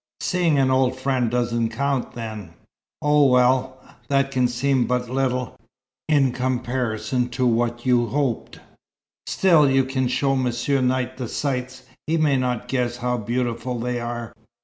"Seeing an old friend doesn't count, then?" "Oh, well, that can seem but little in comparison to what you hoped. Still, you can show Monsieur Knight the sights. He may not guess how beautiful they are.